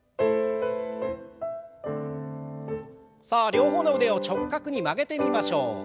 さあ両方の腕を直角に曲げてみましょう。